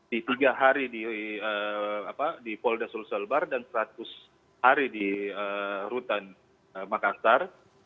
di tiga hari di polda sulselbar dan seratus hari di rutan makassar